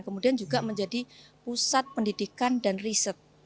kemudian juga menjadi pusat pendidikan dan riset